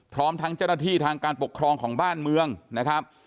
พร้อมทั้งเจ้าหน้าที่ทางการปกครองของบ้านเมืองนะครับ